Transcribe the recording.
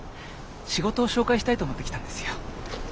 仕事を紹介したいと思って来たんですよ。